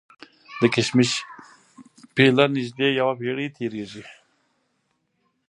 د کشمش پیله نژدې یوه پېړۍ تېرېږي.